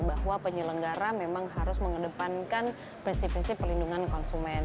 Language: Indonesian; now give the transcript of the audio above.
bahwa penyelenggara memang harus mengedepankan prinsip prinsip pelindungan konsumen